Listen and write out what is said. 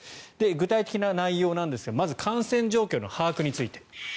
具体的な内容なんですがまず、感染状況の把握について。